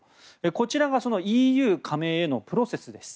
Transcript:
こちらがそのＥＵ加盟へのプロセスです。